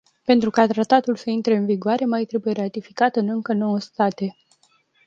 Pentru ca tratatul să intre în vigoare mai trebuie ratificat în încă nouă state.